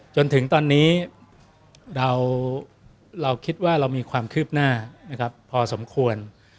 จนถึงตอนนี้เราคิดว่าเรามีความคืบหน้านะครับพอสมควร